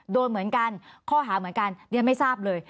โดนเหมือนกันข้อหาเหมือนกันดิฉันไม่ทราบเลย